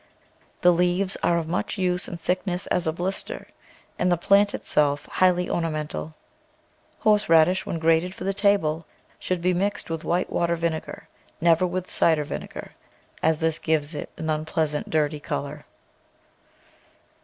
The leaves are of much use in sickness as a blister, and the plant itself high ly ornamental. Horse radish, when grated for the table, should be mixed with white wine vinegar, never with cider vinegar, as this gives it an unpleasant, dirty colour.